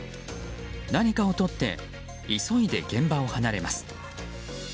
何かを取って急いで現場を離れます。